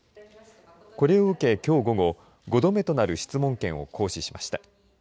これを受け、きょう午後５度目となる質問権を行使しました。